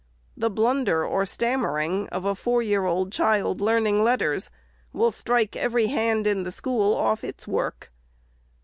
The blunder or stammer ing of a four years old child, learning letters, will strike every hand in the school off its work.